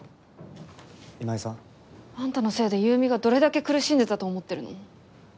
今井さん？あんたのせいで優美がどれだけ苦しんでたと思ってるの？